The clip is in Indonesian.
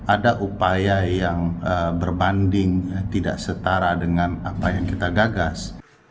ada upaya yang berbanding tidak setara dengan apa yang kita gagas